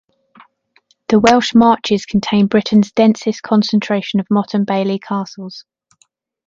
The Welsh Marches contain Britain's densest concentration of motte-and-bailey castles.